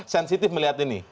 sensitif melihat ini